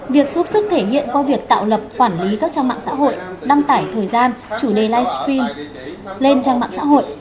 việc giúp sức thể hiện qua việc tạo lập quản lý các trang mạng xã hội đăng tải thời gian chủ đề livestream lên trang mạng xã hội